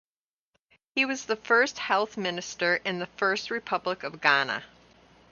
He was the first health minister in the first republic of Ghana.